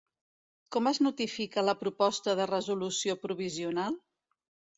Com es notifica la proposta de resolució provisional?